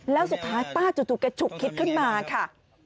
แล้วสุดท้ายป้าจู่แกฉุกคิดขึ้นมาค่ะ